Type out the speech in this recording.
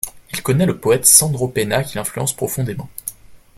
Il connaît le poète Sandro Penna, qui l'influence profondément.